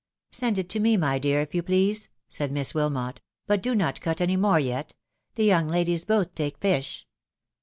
" Send it to me, my dear, if you please," said Miss Wilmot ; "but do not cut any more yet. The young ladies both take fish."